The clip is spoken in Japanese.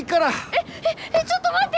えっえっえっちょっと待って！